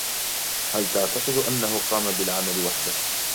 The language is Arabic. هل تعتقد أنه قام بالعمل وحده ؟